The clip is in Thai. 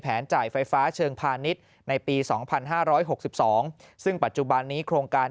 จ่ายไฟฟ้าเชิงพาณิชย์ในปี๒๕๖๒ซึ่งปัจจุบันนี้โครงการ